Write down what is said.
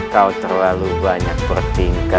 kau terlalu banyak bertingkah